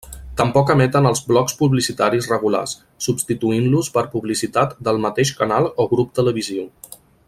Tampoc emeten els blocs publicitaris regulars, substituint-los per publicitat del mateix canal o grup televisiu.